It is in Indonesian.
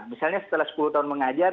misalnya setelah sepuluh tahun mengajar